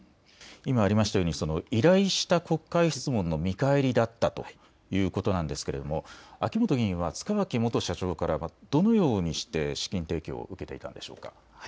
今ありましたように依頼した国会質問の見返りだったということですが秋本議員は塚脇元社長からはどのようにして資金提供を受けていたんでしょうか。